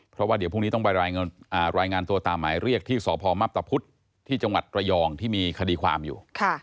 เพราะว่าเดี๋ยวพรุ่งนี้ต้องไปรายงานตัวตามหมายเรียกที่สพมับตะพุธที่จังหวัดระยองที่มีคดีความอยู่